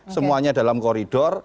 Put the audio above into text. semuanya dalam koridor